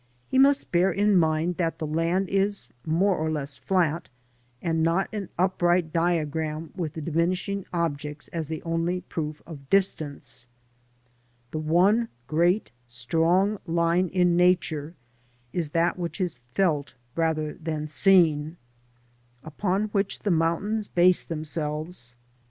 " He must bear in mind that the^land is more or less flat, and not an upright diagram with the diminishing objects as the only proof of distance. The one great strong line in Nature is that which is felt rather than seen, upon which the mountains base themselves, and the AUTUMN IN THE VALLEY OF THE OUSE.